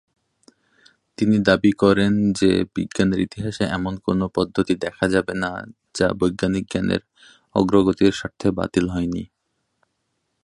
তিনি দাবি করেন যে বিজ্ঞানের ইতিহাসে এমন কোন পদ্ধতি দেখা যাবে না যা বৈজ্ঞানিক জ্ঞানের অগ্রগতির স্বার্থে বাতিল হয়নি।